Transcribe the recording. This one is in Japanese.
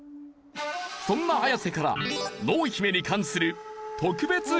そんな綾瀬から濃姫に関する特別クイズを出題。